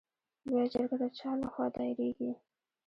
لویه جرګه د چا له خوا دایریږي؟